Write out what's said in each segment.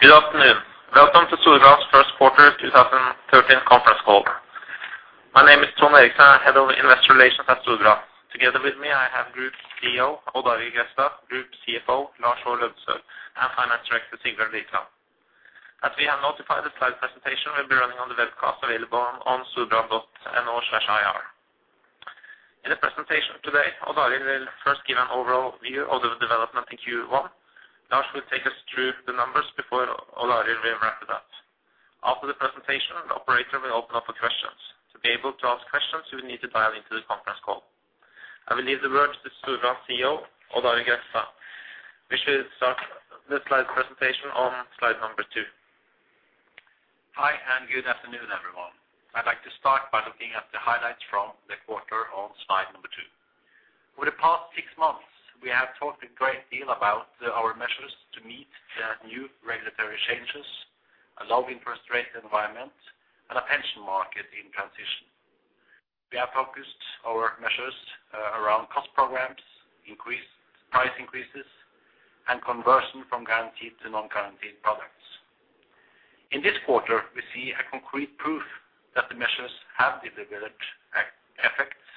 Good afternoon. Welcome to Storebrand's first quarter 2013 conference call. My name is Tom Erikson, Head of Investor Relations at Storebrand. Together with me, I have Group CEO, Odd Arild Grefstad, Group CFO, Lars Aasulv Løddesøl, and Finance Director, Sigbjørn Birkeland. As we have notified, the slide presentation will be running on the webcast available on storebrand.no/ir. In the presentation today, Odd Arild will first give an overall view of the development in Q1. Lars will take us through the numbers before Odd Arild will wrap it up. After the presentation, the operator will open up for questions. To be able to ask questions, you will need to dial into the conference call. I will leave the word to Storebrand CEO, Odd Arild Grefstad. We should start the slide presentation on slide number 2. Hi, and good afternoon, everyone. I'd like to start by looking at the highlights from the quarter on slide number 2. Over the past 6 months, we have talked a great deal about our measures to meet the new regulatory changes, a low interest rate environment, and a pension market in transition. We have focused our measures around cost programs, increased price increases, and conversion from guaranteed to non-guaranteed products. In this quarter, we see a concrete proof that the measures have delivered effects,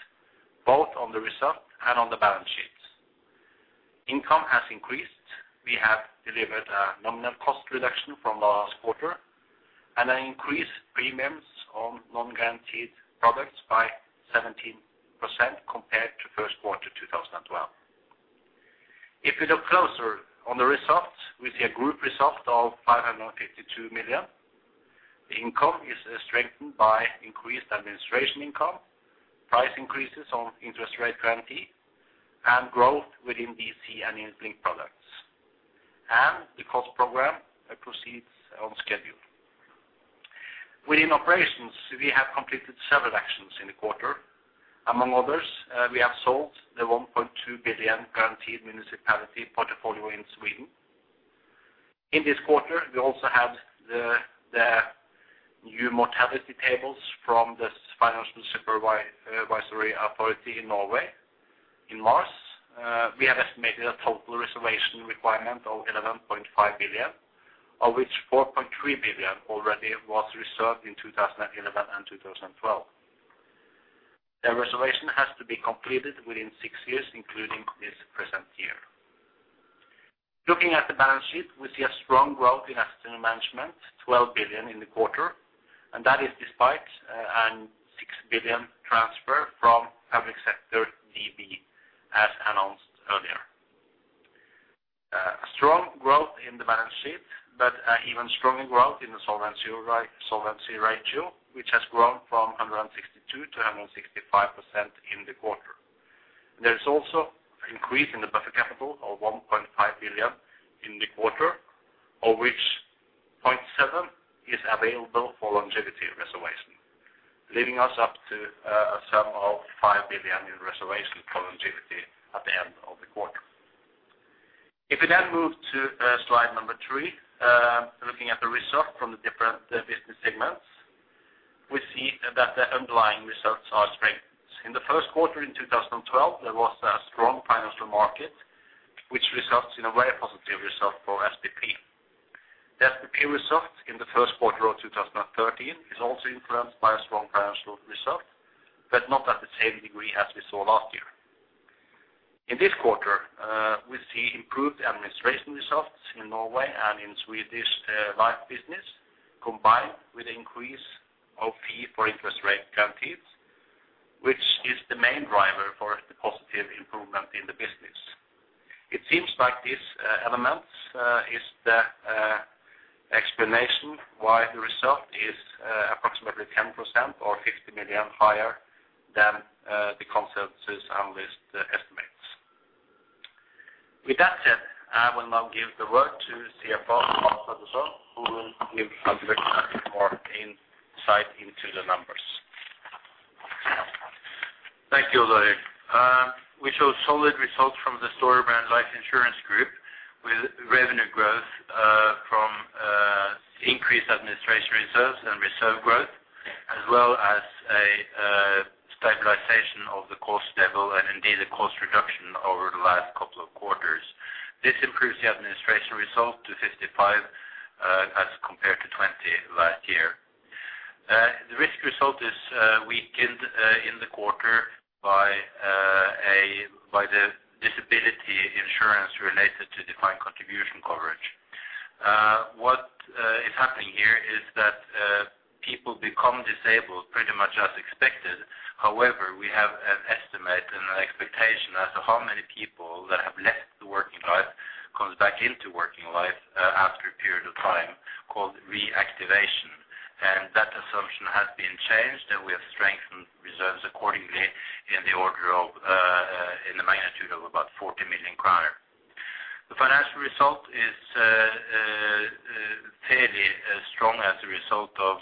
both on the result and on the balance sheets. Income has increased. We have delivered a nominal cost reduction from last quarter, and an increased premiums on non-guaranteed products by 17% compared to first quarter 2012. If you look closer on the results, we see a group result of 552 million. The income is strengthened by increased administration income, price increases on interest rate guarantee, and growth within DC and linked products, and the cost program proceeds on schedule. Within operations, we have completed several actions in the quarter. Among others, we have sold the 1.2 billion guaranteed municipality portfolio in Sweden. In this quarter, we also had the new mortality tables from the Financial Supervisory Authority in Norway. In March, we have estimated a total reservation requirement of 11.5 billion, of which 4.3 billion already was reserved in 2011 and 2012. The reservation has to be completed within six years, including this present year. Looking at the balance sheet, we see a strong growth in asset management, 12 billion in the quarter, and that is despite a 6 billion transfer from public sector DB, as announced earlier. A strong growth in the balance sheet, but an even stronger growth in the solvency ratio, which has grown from 162 to 165% in the quarter. There's also an increase in the buffer capital of 1.5 billion in the quarter, of which 0.7 billion is available for longevity reservation, leading us up to a sum of 5 billion in reservation for longevity at the end of the quarter. If we then move to slide number 3, looking at the result from the different business segments, we see that the underlying results are strengthened. In the first quarter in 2012, there was a strong financial market, which results in a very positive result for SPP. The SPP result in the first quarter of 2013 is also influenced by a strong financial result, but not at the same degree as we saw last year. In this quarter, we see improved administration results in Norway and in Swedish life business, combined with an increase of fee for interest rate guarantees, which is the main driver for the positive improvement in the business. It seems like this element is the explanation why the result is approximately 10% or 50 million higher than the consensus analyst estimates. With that said, I will now give the word to CFO, Lars Aasulv Løddesøl, who will give a bit more insight into the numbers. Thank you, Odd Arild Grefstad. We show solid results from the Storebrand Life Insurance Group, with revenue growth from increased administration reserves and reserve growth, as well as a stabilization of the cost level and indeed, a cost reduction over the last couple of quarters. This improves the administration result to 55, as compared to 20 last year. The risk result is weakened in the quarter by the disability insurance related to defined contribution coverage. What is happening here is that people become disabled pretty much as expected. However, we have an estimate and an expectation as to how many people that have left the working life, comes back into working life after a period of time, called reactivation. That assumption has been changed, and we have strengthened reserves accordingly in the order of, in the magnitude of about 40 million kroner. The financial result is fairly as strong as a result of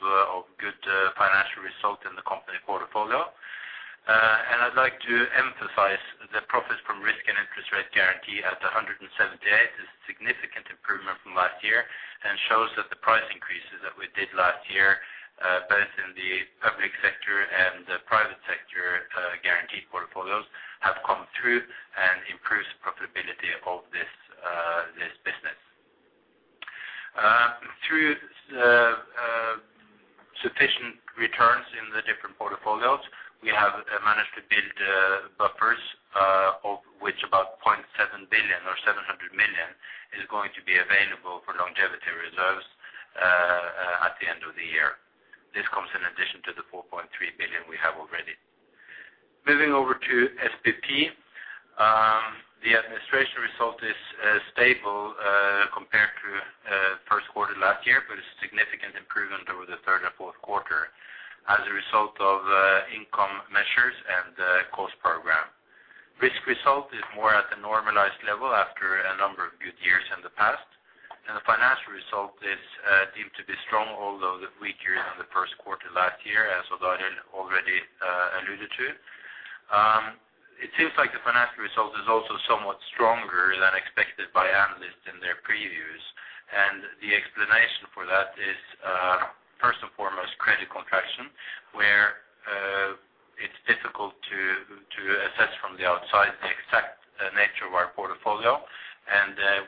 good financial result in the company portfolio. And I'd like to emphasize the profits from risk and interest rate guarantee at 178 is a significant improvement from last year and shows that the pricing we did last year, both in the public sector and the private sector, guaranteed portfolios have come through and improves profitability of this business. Through sufficient returns in the different portfolios, we have managed to build buffers, of which about 0.7 billion or 700 million is going to be available for longevity reserves at the end of the year. This comes in addition to the 4.3 billion we have already. Moving over to SPP, the administration result is stable compared to first quarter last year, but a significant improvement over the third and fourth quarter as a result of income measures and cost program. Risk result is more at a normalized level after a number of good years in the past, and the financial result is deemed to be strong, although weaker than the first quarter last year, as Odd Arild already alluded to. It seems like the financial result is also somewhat stronger than expected by analysts in their previews. The explanation for that is, first and foremost, credit contraction, where it's difficult to assess from the outside the exact nature of our portfolio.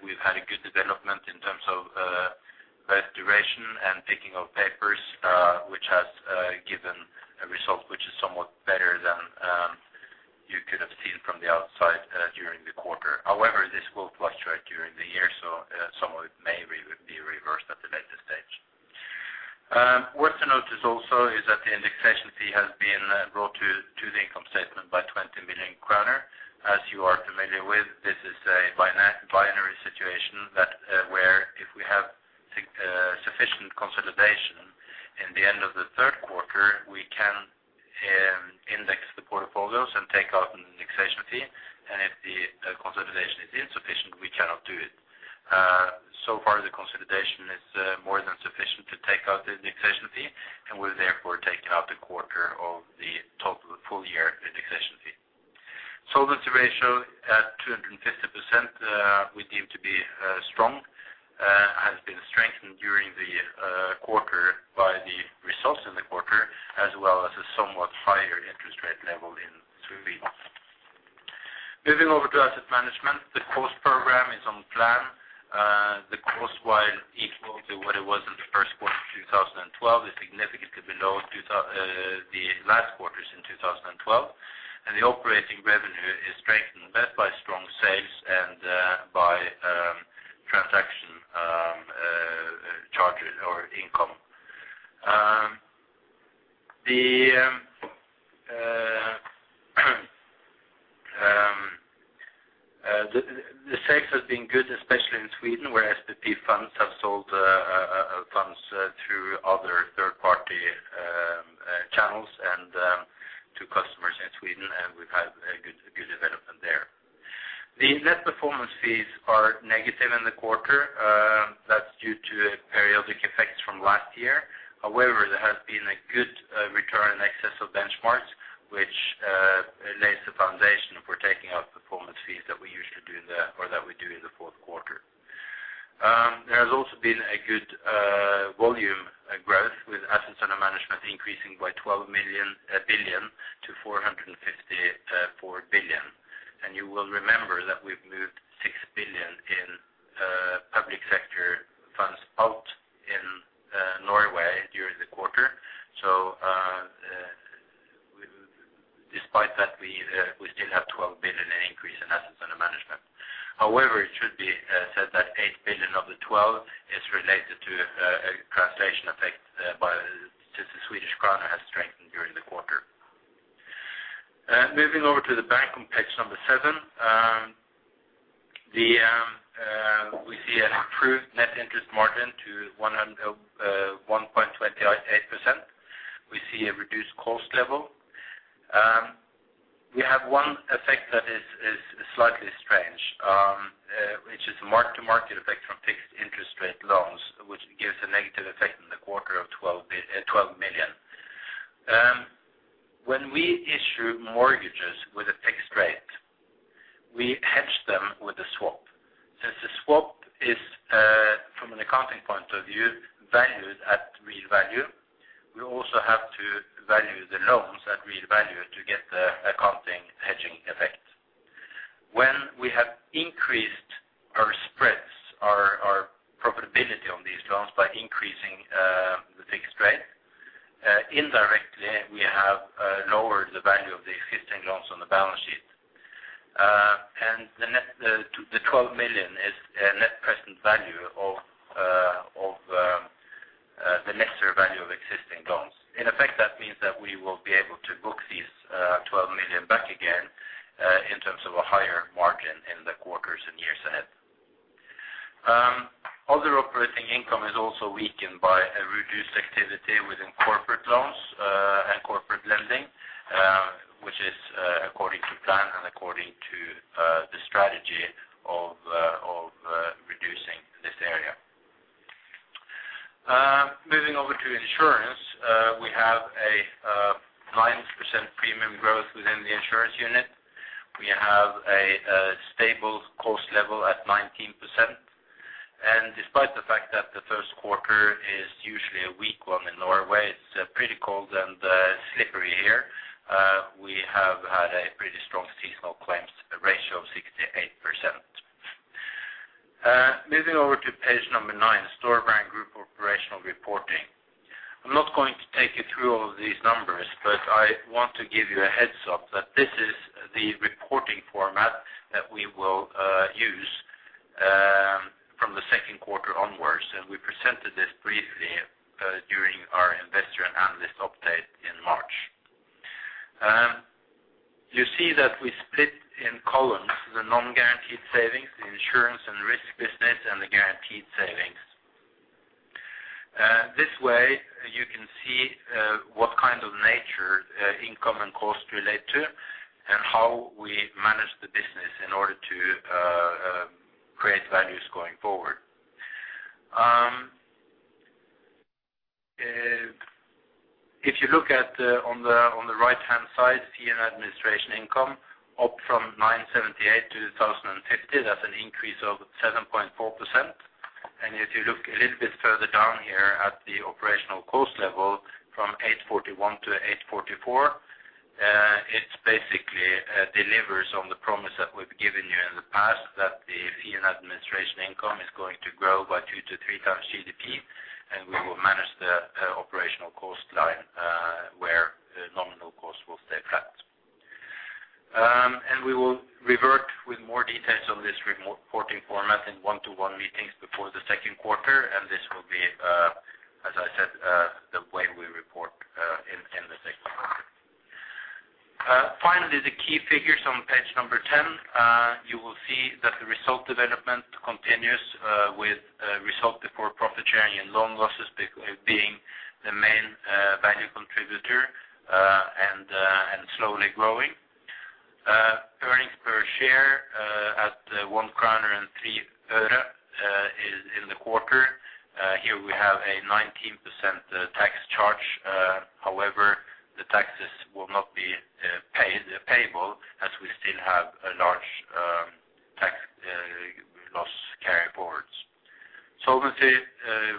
We've had a good development in terms of both duration and picking of papers, which has given a result which is somewhat better than you could have seen from the outside during the quarter. However, this will fluctuate during the year, so some of it may be reversed at a later stage. Worth to notice also is that the indexation fee has been brought to there has been a good return in excess of benchmarks, which lays the foundation for taking out performance fees that we usually do, or that we do in the fourth quarter. There has also been a good volume growth, with assets under management increasing by NOK 12 billion to NOK 454 billion. You will remember that we've moved NOK 6 billion in public sector funds out in Norway during the quarter. Despite that, we still have NOK 12 billion in increase in assets under management. However, it should be said that NOK 8 billion of the 12 is related to a translation effect, since the Swedish krona has strengthened during the quarter. Moving over to the bank on page number seven, we see an improved net interest margin to 1.28%. We see a reduced cost level. We have one effect that is, is slightly strange, which is a mark-to-market effect from fixed interest rate loans, which gives a negative effect in the quarter of 12 million. When we issue mortgages with a fixed rate, we hedge them with a swap. Since the swap is, from an accounting point of view, valued at real value, we also have to value the loans at real value to get the accounting hedging effect. When we have increased our spreads, our, our profitability on these loans by increasing, the fixed rate, indirectly, we have, lowered the value of the existing loans on the balance sheet. And the net, the, the 12 million is a net present value of, of, the net value of existing loans. In effect, that means that we will be able to book these 12 million back again in terms of a higher margin in the quarters and years ahead. Other operating income is also weakened by a reduced activity within corporate loans and corporate lending, which is according to plan and according to the strategy of reducing this area. Moving over to insurance, we have a 9% premium growth within the insurance unit. We have a stable cost level at 19%. And despite the fact that the first quarter is usually a weak one in Norway, it's pretty cold and slippery here, we have had a pretty strong seasonal claims ratio of 68%. Moving over to page number 9, Storebrand Group Operational Reporting. I'm not going to take you through all of these numbers, but I want to give you a heads up that this is the reporting format that we will use from the second quarter onwards, and we presented this briefly during our investor and analyst update in March. You see that we split in columns, the non-guaranteed savings, the insurance and risk business, and the guaranteed savings. This way, you can see what kind of nature income and costs relate to, and how we manage the business in order to create values going forward. If you look at on the right-hand side, fee and administration income, up from 978 to 2,050, that's an increase of 7.4%. If you look a little bit further down here at the operational cost level, from 841 to 844, it's basically delivers on the promise that we've given you in the past, that the fee and administration income is going to grow by 2-3 times GDP, and we will manage the operational cost line, where the nominal cost will stay flat. We will revert with more details on this interim reporting format in one-to-one meetings before the second quarter, and this will be, as I said, the way we report in the second quarter. Finally, the key figures on page 10. You will see that the result development continues with result before profit sharing and loan losses being the main value contributor and slowly growing. Earnings per share at 1.03 NOK in the quarter. Here we have a 19% tax charge. However, the taxes will not be paid payable, as we still have a large tax loss carry forwards. Solvency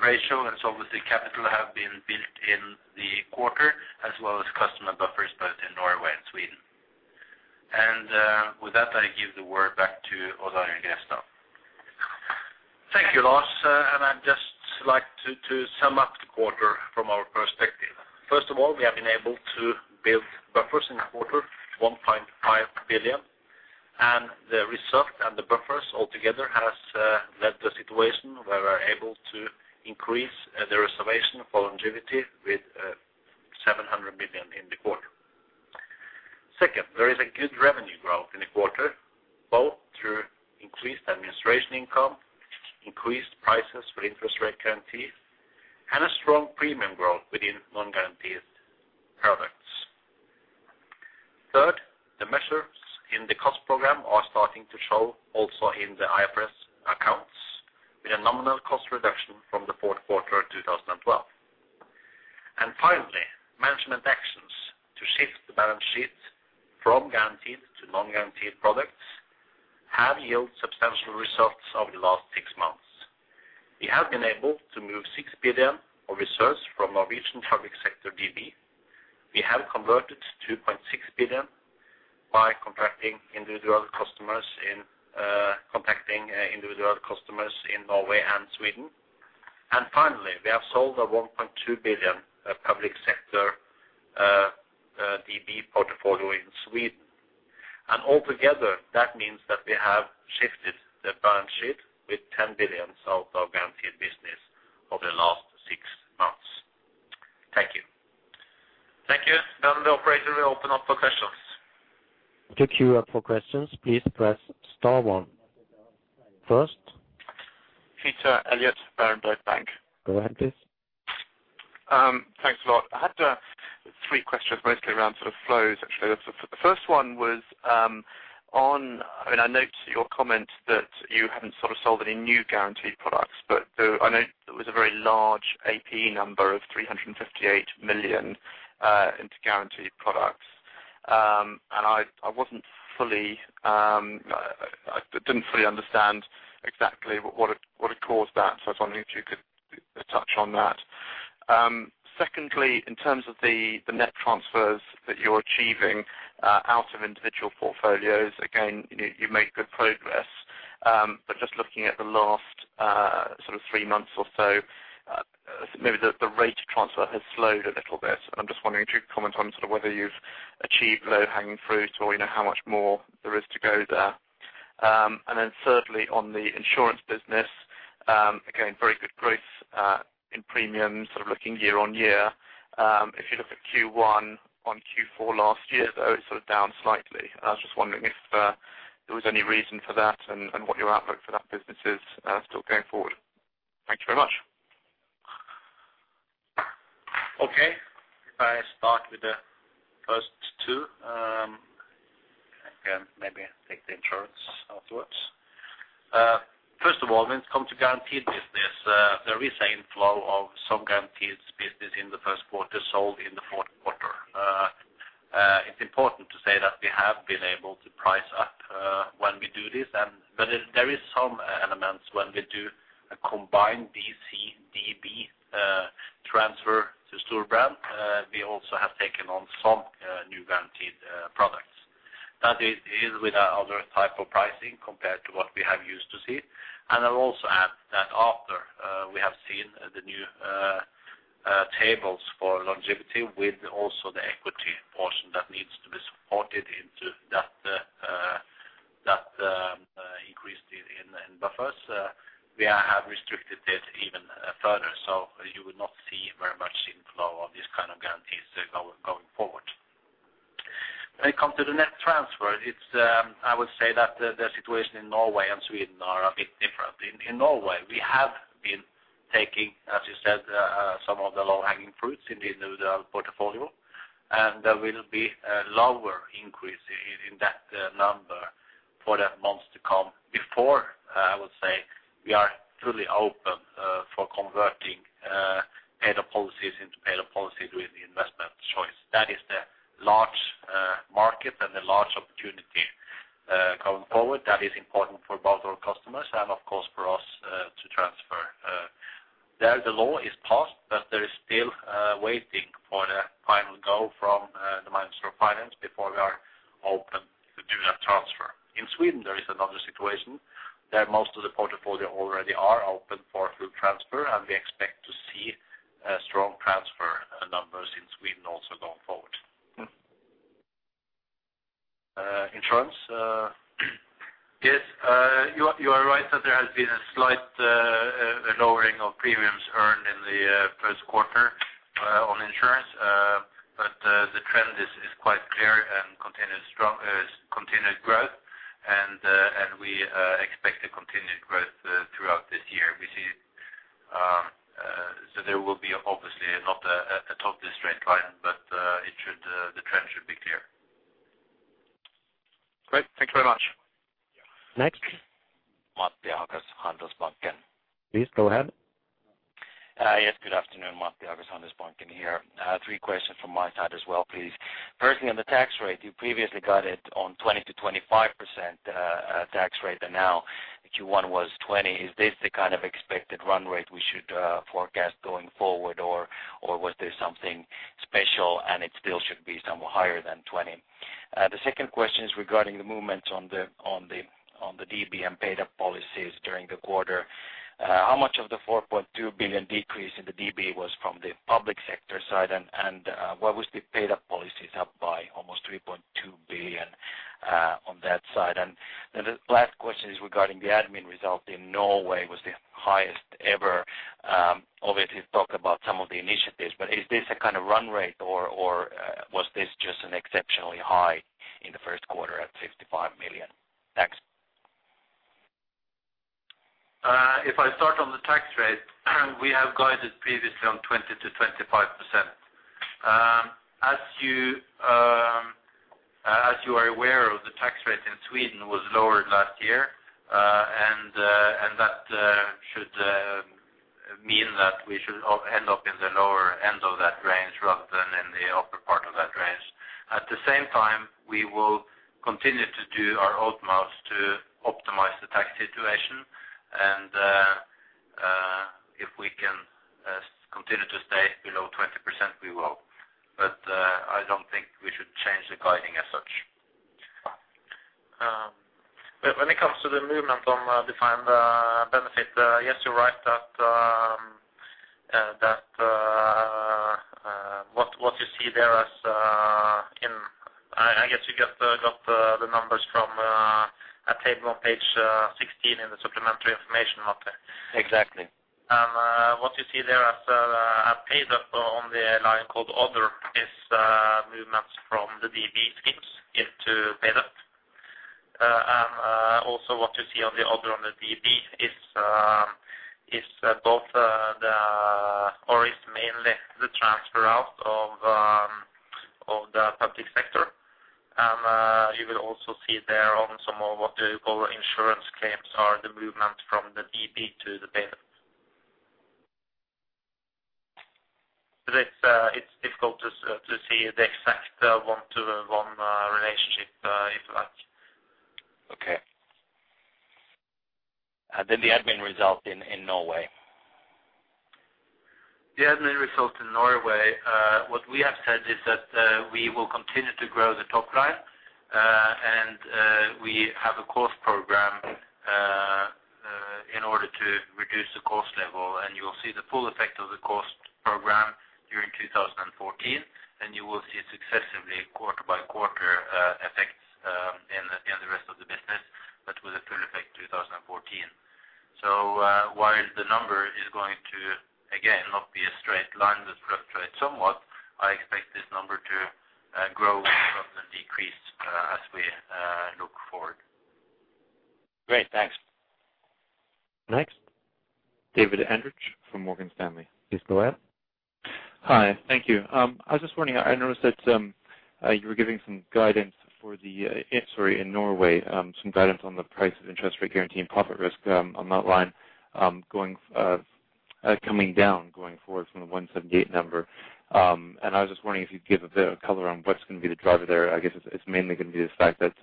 ratio and solvency capital have been built in the quarter, as well as customer buffers, both in Norway and Sweden. With that, I give the word back to Odd Arild Grefstad. Thank you, Lars. And I'd just like to sum up the quarter from our perspective. First of all, we have been able to build buffers in the quarter, 1.5 billion. And the result and the buffers altogether has led the situation where we're able to increase the reservation for longevity with seven hundred million in the quarter. Second, there is a good revenue growth in the quarter, both through increased administration income, increased prices for interest rate guarantees, and a strong premium growth within non-guaranteed products. Third, the measures in the cost program are starting to show also in the IFRS accounts, with a nominal cost reduction from the fourth quarter of 2012. And finally, management actions to shift the balance sheet from guaranteed to non-guaranteed products have yielded substantial results over the last six months. We have been able to move 6 billion of reserves from Norwegian public sector DB. We have converted 2.6 billion by contacting individual customers in, contacting, individual customers in Norway and Sweden. And finally, we have sold a 1.2 billion, public sector, DB portfolio in Sweden. And altogether, that means that we have shifted the balance sheet with 10 billion out of our guaranteed business over the last six months. Thank you. Thank you. Now the operator will open up for questions. To queue up for questions, please press * one. First? Peter Eliot, Berenberg Bank. Go ahead, please. Thanks a lot. I had three questions, mostly around sort of flows, actually. The first one was. I mean, I note your comment that you hadn't sort of sold any new guaranteed products, but I know it was a very large AP number of 358 million into guaranteed products. And I wasn't fully. I didn't fully understand exactly what it, what it caused that, so I was wondering if you could touch on that. Secondly, in terms of the net transfers that you're achieving out of individual portfolios, again, you made good progress. But just looking at the last sort of three months or so, maybe the rate of transfer has slowed a little bit. I'm just wondering if you'd comment on sort of whether you've achieved low-hanging fruit, or, you know, how much more there is to go there. And then thirdly, on the insurance business, again, very good growth in premiums, sort of looking year on year. If you look at Q1 on Q4 last year, though, it's sort of down slightly. I was just wondering if there was any reason for that and what your outlook for that business is still going forward? Thank you very much. Okay. I start with the first two, I can maybe take the insurance afterwards. First of all, when it comes to guaranteed business, there is an inflow of some guaranteed business in the first quarter sold in the fourth quarter. It's important to say that we have been able to price up when we do this, and there are some elements when we do a combined DC DB transfer to Storebrand. We also have taken on some new guaranteed products. That is with our other type of pricing compared to what we have used to see. I'll also add that after we have seen the new tables for longevity with also the equity portion that needs to be supported into that, that increase in buffers, we have restricted it even further. So you would not see very much inflow of these kind of guarantees going forward. When it come to the net transfer, it's, I would say that the situation in Norway and Sweden are a bit different. In Norway, we have been taking, as you said, some of the low-hanging fruits in the portfolio, and there will be a lower increase in that number for the months to come. Before, I would say, we are truly open for converting paid-up policies into paid-up policies with the investment choice. That is the large market and the large opportunity going forward. That is important for both our customers and, of course, for us to transfer. There, the law is passed, but there is still waiting for the final go from the Minister of Finance before we are open to do that transfer. In Sweden, there is another situation, that most of the portfolio already are open for full transfer, and we expect to see strong transfer numbers in Sweden also going forward. Insurance. Yes, you are right that there has been a slight lowering of premiums earned in the first quarter on insurance. But the trend is quite clear and continued strong, continued growth, and we expect a continued growth throughout this year. We see, so there will be obviously not a totally straight line, but it should, the trend should be clear. Great. Thank you very much. Next? Matti Ahokas, Handelsbanken. Please go ahead. Yes, good afternoon, Matti Ahokas, Handelsbanken here. Three questions from my side as well, please. Firstly, on the tax rate, you previously got it on 20%-25%, tax rate, and now Q1 was 20%. Is this the kind of expected run rate we should forecast going forward, or was there something special and it still should be somewhere higher than 20%? The second question is regarding the movement on the DB and paid-up policies during the quarter. How much of the 4.2 billion decrease in the DB was from the public sector side? And why was the paid-up policies up by almost 3.2 billion on that side? And then the last question is regarding the admin result in Norway was the highest ever. Obviously, you've talked about some of the initiatives, but is this a kind of run rate, or was this just an exceptionally high in the first quarter at 55 million? Thanks. If I start on the tax rate, we have guided previously on 20-25%. As you are aware of, the tax rate in Sweden was lowered last year, and that should mean that we should end up in the lower end of that range rather than in the upper part of that range. At the same time, we will continue to do our utmost to optimize the tax situation, and if we can continue to stay below 20%, we will. But I don't think we should change the guiding as such. When it comes to the movement on defined benefit, yes, you're right that what you see there as I guess you just got the numbers from a table on page 16 in the supplementary information, Matti. Exactly. And, what you see there as a paid up on the line called Other, is movements from the DB schemes into paid up. And, also what you see on the Other on the DB is, or is mainly the transfer out of the public sector. And, you will also see there on some of what we call insurance claims are the movement from the DB to the paid up. But it's difficult to see the exact one-to-one relationship, if you like. Okay. And then the admin result in Norway? The admin result in Norway, what we have said is that, we will continue to grow the top line, and, we have a cost program, in order to reduce the cost level, and you will see the full effect of the cost program during 2014, and you will see successively quarter by quarter, effects, in the rest of the business, but with a full effect 2014. So, while the number is going to, again, not be a straight line, but fluctuate somewhat, I expect this number to, grow rather than decrease, as we, look forward. Great. Thanks. Next? David Andrich from Morgan Stanley. Please go ahead. Hi, thank you. I was just wondering, I noticed that, you were giving some guidance for the, sorry, in Norway, some guidance on the price of interest rate guarantee and profit risk, on that line, coming down, going forward from the 178 number. And I was just wondering if you'd give a bit of color on what's going to be the driver there. I guess it's, it's mainly going to be the fact that,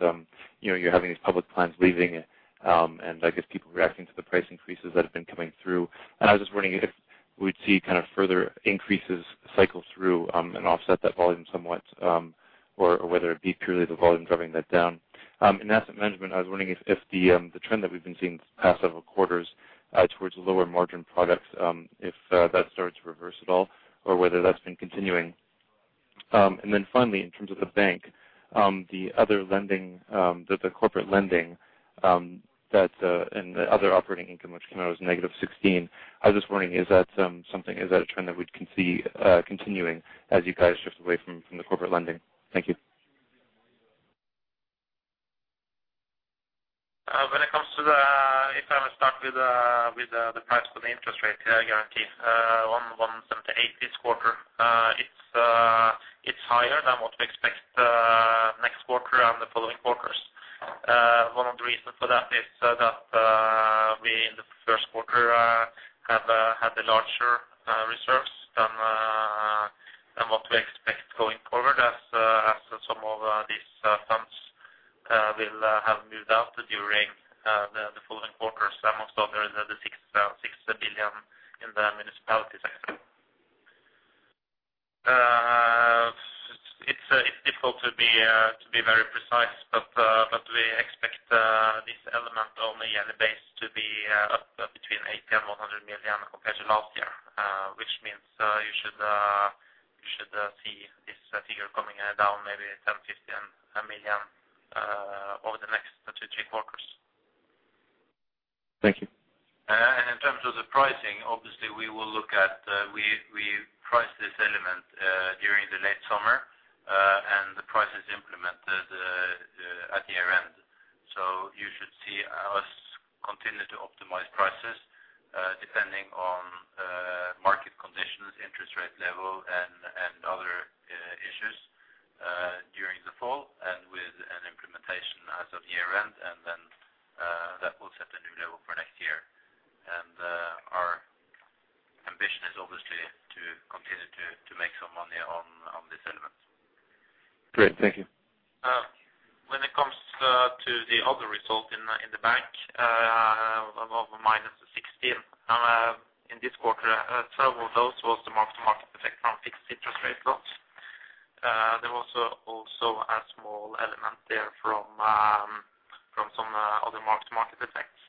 you know, you're having these public plans leaving, and I guess people reacting to the price increases that have been coming through. I was just wondering if we'd see kind of further increases cycle through and offset that volume somewhat, or whether it be purely the volume driving that down. In asset management, I was wondering if the trend that we've been seeing the past several quarters towards lower margin products, if that starts to reverse at all, or whether that's been continuing? Finally, in terms of the bank, the other lending, the corporate lending, and the other operating income, which came out as negative 16. I was just wondering, is that something—is that a trend that we can see continuing as you guys shift away from the corporate lending? Thank you. When it comes to the price for the interest rate guarantee on 178 this quarter, it's higher than what we expect next quarter and the following quarters. One of the reasons for that is that we in the first quarter had the larger reserves than what we expect going forward, as some of these funds will have moved out during the following quarters. Most of the 6 billion in the municipality sector. It's difficult to be very precise, but we expect this element on a yearly basis to be up between 80 million and 100 million compared to last year, which means you should see this figure coming down maybe 10 million-15 million over the next 2-3 quarters. Thank you. And in terms of the pricing, obviously, we will look at, we price this element during the late summer, and the price is implemented at the year-end. So you should see us continue to optimize prices depending on market conditions, interest rate level, and other issues during the fall and with an implementation as of year-end, and then that will set a new level for next year. And our ambition is obviously to continue to make some money on this element. Great, thank you. When it comes to the other result in the bank, of minus 16 in this quarter, several of those was the mark-to-market effect from fixed interest rate loans. There was also a small element there from some other mark-to-market effects.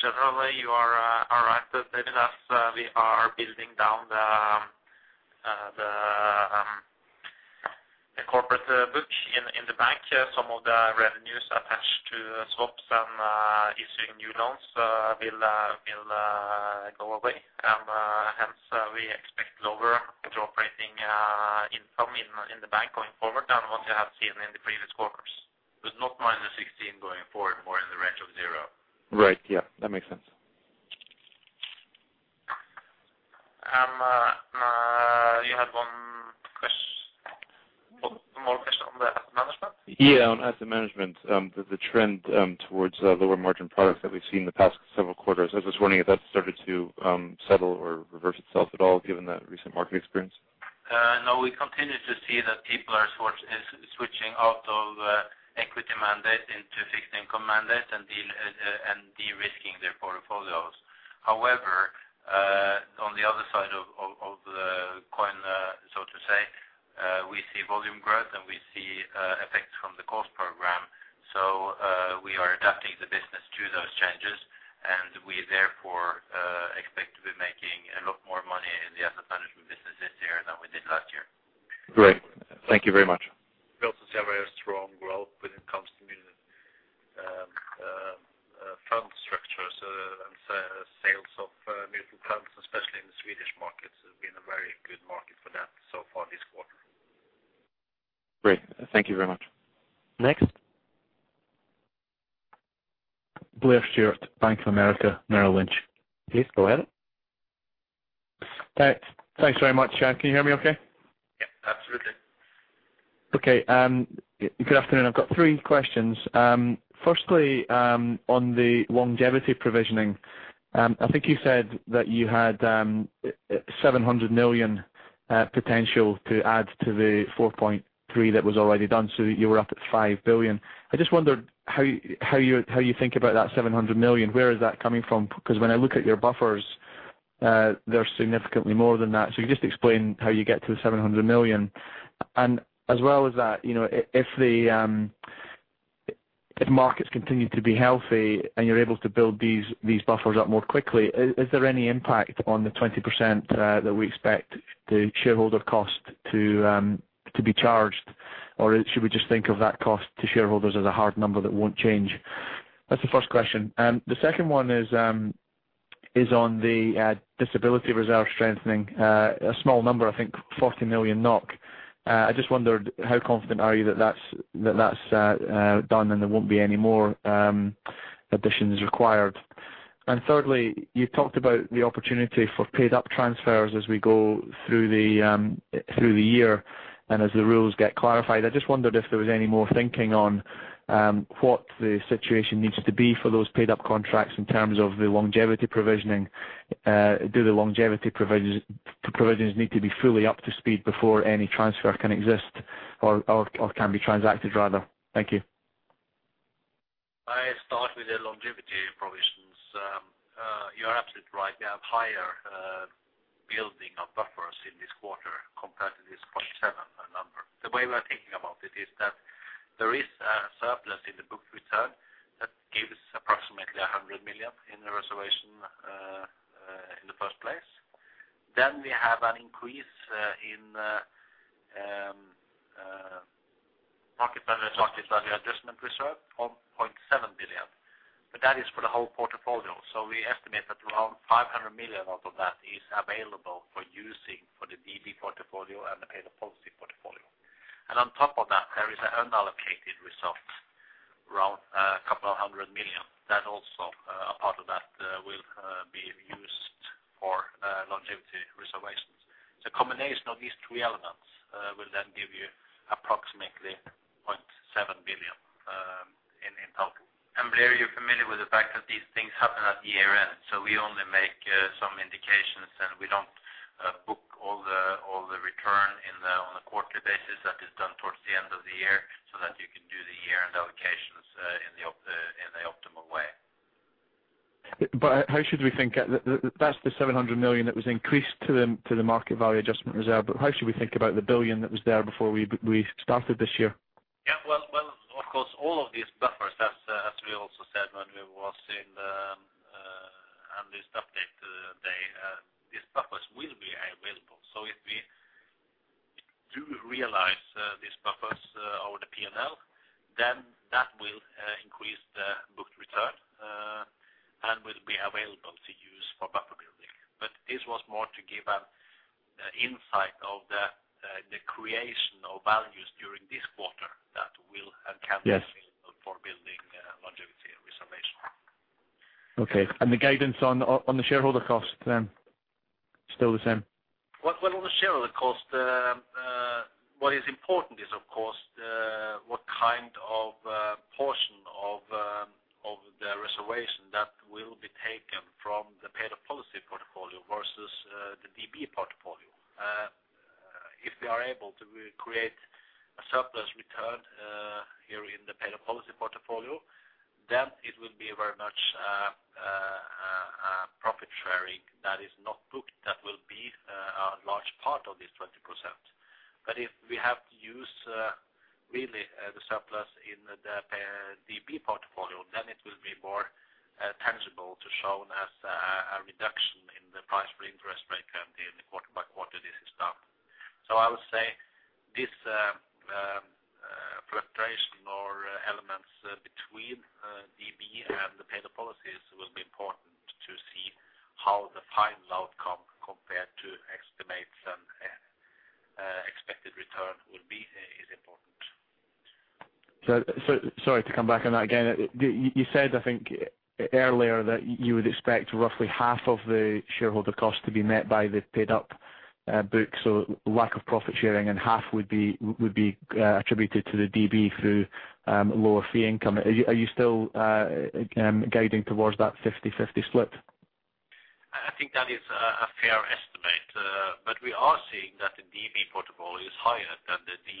Generally, you are right, that as we are building down the corporate book in the bank, some of the revenues attached to swaps and issuing new loans will go away. Hence, we expect lower operating income in the bank going forward than what you have seen in the previous quarters, but not minus 16 going forward, more in the range of zero. Right. Yeah, that makes sense. You had one more question on the asset management? Yeah, on asset management, the trend towards lower margin products that we've seen in the past several quarters. I was just wondering if that started to settle or reverse itself at all, given that recent market experience? No, we continue to see that people are switching out of equity mandate into fixed income mandate and de-risking their portfolios. However, on the other side of the coin, so to say, we see volume growth, and we see effects from the cost program. So, we are adapting the business to those changes, and we therefore expect to be making a lot more money in the asset management business this year than we did last year. Great. Thank you very much. We also see a very strong growth when it comes to fund structures, and sales of mutual funds, especially in the Swedish markets, have been a very good market for that so far this quarter. Great. Thank you very much. Next? Blair Stewart, Bank of America Merrill Lynch. Please go ahead. Thanks. Thanks very much. Can you hear me okay? Yeah, absolutely. Okay, good afternoon. I've got three questions. Firstly, on the longevity provisioning, I think you said that you had 700 million potential to add to the 4.3 that was already done, so you were up at 5 billion. I just wondered how you think about that 700 million. Where is that coming from? Because when I look at your buffers, they're significantly more than that. So you just explain how you get to the 700 million. And as well as that, you know, if the markets continue to be healthy and you're able to build these buffers up more quickly, is there any impact on the 20% that we expect the shareholder cost to be charged? Or should we just think of that cost to shareholders as a hard number that won't change? That's the first question. The second one is on the disability reserve strengthening, a small number, I think 40 million NOK. I just wondered, how confident are you that that's done, and there won't be any more additions required? And thirdly, you talked about the opportunity for paid up transfers as we go through the year, and as the rules get clarified. I just wondered if there was any more thinking on what the situation needs to be for those paid up contracts in terms of the longevity provisioning. Do the longevity provisions need to be fully up to speed before any transfer can exist or can be transacted, rather? Thank you. I start with the longevity reservation. You are absolutely right. We have higher building of buffers in this quarter compared to this 0.7 number. The way we are thinking about it is that there is a surplus in the book return that gives approximately 100 million in the reservation in the first place. Then we have an increase in market value adjustment reserve of 0.7 billion, but that is for the whole portfolio. So we estimate that around 500 million of that is available for using for the DB portfolio and the paid-up policy portfolio. And on top of that, there is an unallocated result, around 200 million. That also part of that will be used for longevity reservation. The combination of these three elements will then give you approximately 0.7 billion in total. And Blair, you're familiar with the fact that these things happen at the year end, so we only make some indications, and we don't book all the, all the return in the, on a quarterly basis, that is done towards the end of the year, so that you can do the year-end allocations in the optimal way. But how should we think? That's the 700 million that was increased to the Market value adjustment reserve, but how should we think about the 1 billion that was there before we started this year? Yeah, well, of course, all of these buffers, as we also said when we was on this update day, these buffers will be available. So if we do realize these buffers over the PNL, then that will increase the booked return and will be available to use for buffer building. But this was more to give an insight of the creation of values during this quarter that will and can- Yes... be available for building, longevity and reservation. Okay. And the guidance on the shareholder cost, then? Still the same. Well, on the shareholder cost, what is important is, of course, what kind of portion of the reservation that will be taken from the paid-up policy portfolio versus the DB portfolio. If we are able to create a surplus return here in the paid-up policy portfolio, then it will be very much a profit sharing that is not booked. That will be a large part of this 20%. But if we have to use really the surplus in the DB portfolio, then it will be more tangible to show as a reduction in the price for interest rate and in the quarter by quarter this is done. I would say this, fluctuation or elements between DB and the paid-up policies will be important to see how the final outcome compared to estimates and expected return will be, is important. So, so sorry to come back on that again. You said, I think, earlier, that you would expect roughly half of the shareholder cost to be met by the paid up book, so lack of profit sharing and half would be attributed to the DB through lower fee income. Are you still guiding towards that 50/50 split? I think that is a fair estimate, but we are seeing that the DB portfolio is higher than the D...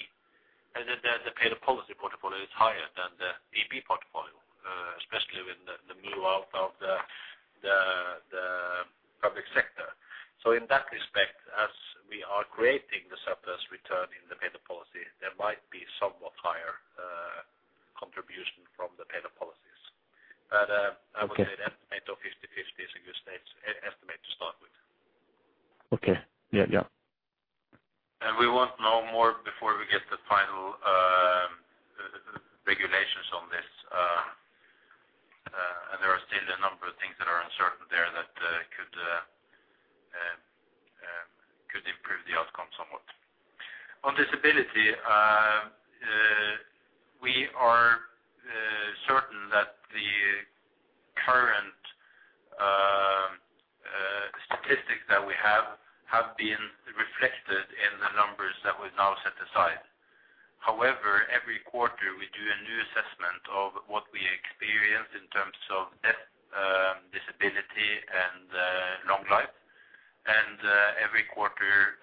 The paid-up policy portfolio is higher than the DB portfolio, especially with the move out of the public sector. So in that respect, as we are creating the surplus return in the paid-up policy, there might be somewhat higher contribution from the paid-up policies. But- Okay... I would say the estimate of 50/50 is a good state, estimate to start with. Okay. Yeah, yeah. We won't know more before we get the final regulations on this. There are still a number of things that are uncertain there that could improve the outcome somewhat. On disability, we are certain that the current statistics that we have have been reflected in the numbers that we've now set aside. However, every quarter, we do a new assessment of what we experience in terms of death, disability, and long life. Every quarter,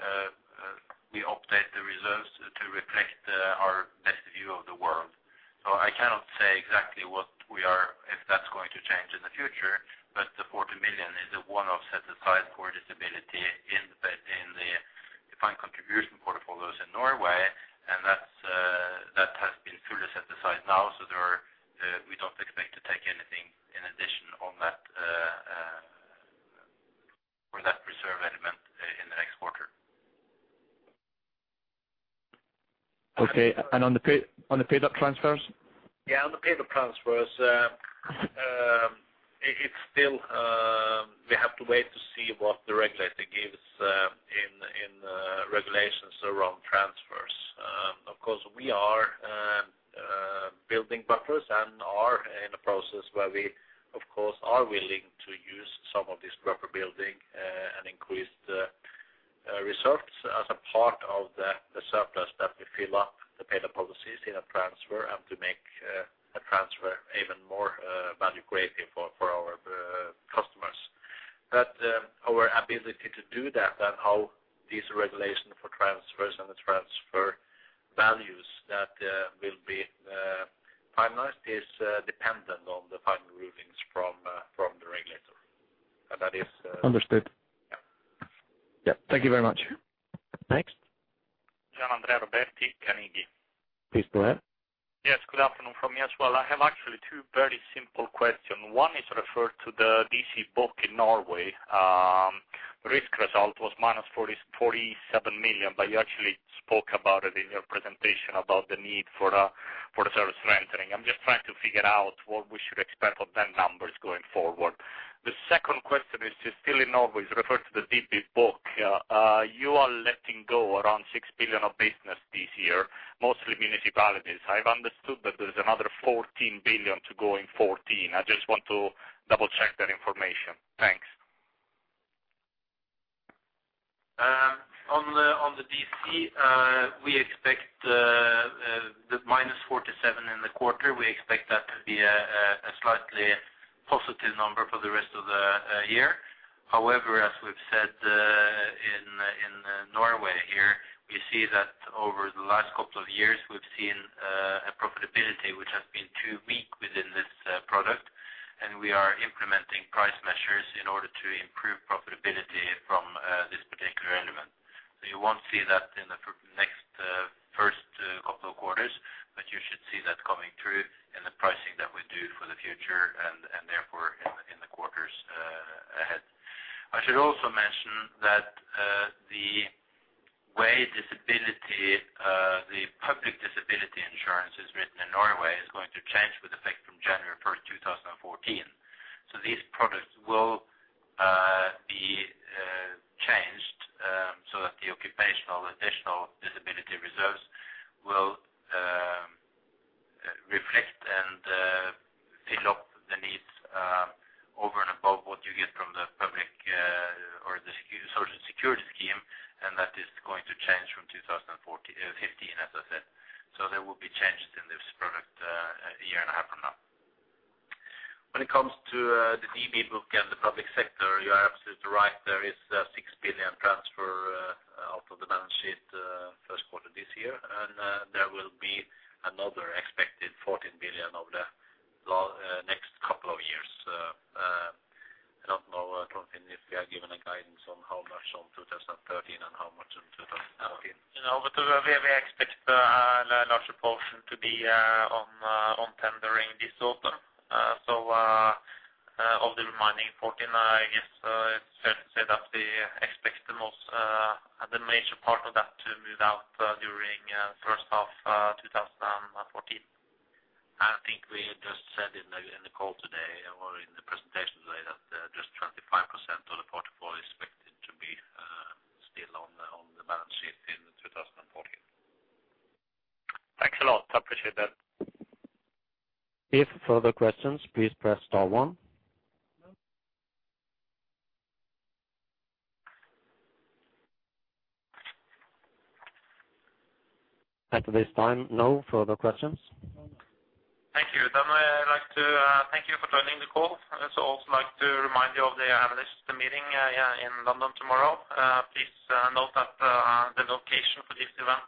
we update the reserves to reflect our best view of the world. So I cannot say exactly what we are if that's going to change in the future, but the 40 million is a one-off set aside for disability in the, in the defined contribution portfolios in Norway, and that's that has been fully set aside now, so there are, we don't expect to take anything in addition on that, for that reserve element in the next quarter. Okay. And on the paid-up transfers? Yeah, on the paid-up transfers, it's still we have to wait to see what the regulator gives in regulations around transfers. Building buffers and are in a process where we, of course, are willing to use some of this buffer building and increase the results as a part of the surplus that we fill up, the pay the policies in a transfer, and to make a transfer even more value creating for our customers. But our ability to do that and how these regulations for transfers and the transfer values that will be finalized is dependent on the final rulings from the regulator. And that is- Understood. Yeah. Yeah. Thank you very much. Next? Gianandrea Roberti, Carnegie. Please go ahead. Yes, good afternoon from me as well. I have actually two very simple questions. One is referred to the DC book in Norway. Risk result was -47 million, but you actually spoke about it in your presentation about the need for the, for the service reentering. I'm just trying to figure out what we should expect from that numbers going forward. The second question is just still in Norway, it's referred to the DB book. You are letting go around 6 billion of business this year, mostly municipalities. I've understood that there's another 14 billion to go in 2014. I just want to double check that information. Thanks. On the DC, we expect the -47 in the quarter. We expect that to be a slightly positive number for the rest of the year. However, as we've said, in Norway here, we see that over the last couple of years, we've seen a profitability which has been too weak within this product, and we are implementing price measures in order to improve profitability from this particular element. You won't see that in the next first couple of quarters, but you should see that coming through in the pricing that we do for the future and, therefore, in the quarters ahead. I should also mention that, the way disability, the public disability insurance is written in Norway is going to change with effect from January 1, 2014. So these products will be changed, so that the occupational additional disability reserves will reflect and fill up the needs over and above what you get from the public, or the social security scheme, and that is going to change from 2015, as I said. So there will be changes in this product, a year and a half from now. When it comes to the DB book and the public sector, you are absolutely right. There is a 6 billion transfer out of the balance sheet first quarter this year, and there will be another expected 14 billion over the next couple of years. I don't know, Torfinn, if we are given a guidance on how much on 2013 and how much in 2014. You know, but we expect a larger portion to be on tendering this autumn. So, of the remaining 14, I guess, it's fair to say that we expect the most, the major part of that to move out during first half, 2014. I think we just said in the, in the call today or in the presentation today, that, just 25% of the portfolio is expected to be, still on the, on the balance sheet in 2014. Thanks a lot. I appreciate that. If further questions, please press * one. At this time, no further questions. Thank you. Then I'd like to thank you for joining the call. I'd also like to remind you of the analyst meeting in London tomorrow. Please note that the location for this event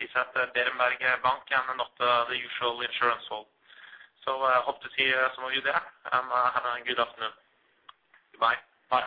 is at the Berenberg Bank and not the usual insurance hall. So I hope to see some of you there, and have a good afternoon. Goodbye. Bye.